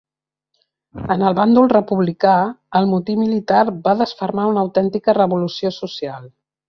En el bàndol republicà, el motí militar va desfermar una autèntica revolució social.